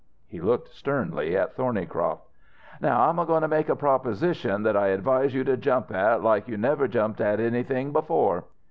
He looked sternly at Thornycroft. "Now I'm goin' to make a proposition that I advise you to jump at like you never jumped at anything before.